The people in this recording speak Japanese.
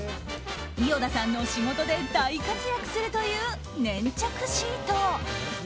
伊與田さんの仕事で大活躍するという粘着シート。